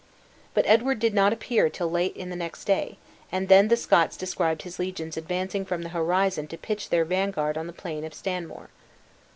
But Edward did not appear till late in the next day; and then the Scots descried his legions advancing from the horizon to pitch their vanguard on the plain of Stanmore.